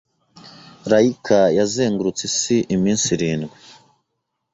Laika yazengurutse isi iminsi irindwi.